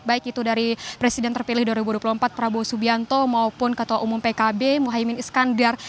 baik itu dari presiden terpilih dua ribu dua puluh empat prabowo subianto maupun ketua umum pkb muhaymin iskandar